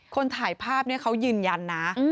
คนถ่ายภาพเนี่ยเขายืนยันนะ